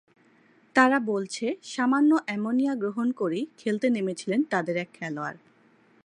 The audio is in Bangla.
তারা বলছে, সামান্য অ্যামোনিয়া গ্রহণ করেই খেলতে নেমেছিলেন তাদের এক খেলোয়াড়।